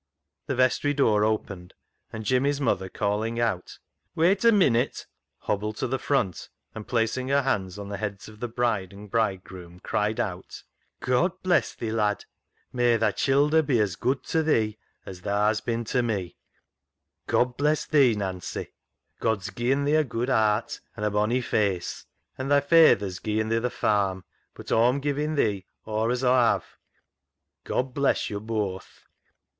The vestry door opened, and Jimmy's mother, calling out " Wait a minute," hobbled to the front, and, placing her hands on the heads of the bride and bridegroom, cried out —" God bless thee, lad ! May thy childer be as good to thee as tha's been to me. God bless thee, Nancy. God's glen thee a good 'art an' a bonny face, and thy fayther's gien GIVING A MAN AWAY 99 thee th' farm, but Aw'm givin' thee aw as Aw have. God bless yo' booath."